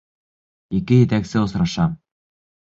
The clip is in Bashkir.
Ике етәксе осраша.